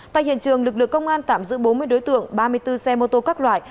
tại hiện trường lực lượng công an tạm giữ bốn mươi đối tượng ba mươi bốn xe mô tô các loại